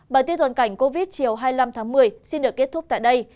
bản tin toàn cảnh covid một mươi chín chiều hai mươi năm tháng một mươi xin được kết thúc tại đây